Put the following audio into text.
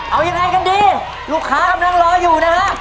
เอายังไงกันดีลูกค้ากำลังรออยู่นะฮะ